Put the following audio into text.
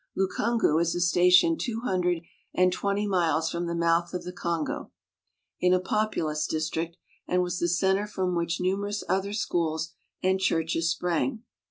Lukungu is a station two hundred and twenty miles from the mouth of the Congo, in a ( populous district, and was the center from which numerous other schools and churches sprang.